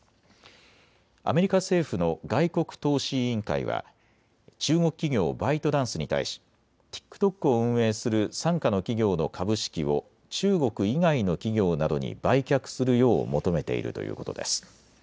アメリカ政府の外国投資委員会は中国企業、バイトダンスに対しＴｉｋＴｏｋを運営する傘下の企業の株式を中国以外の企業などに売却するよう求めているということです。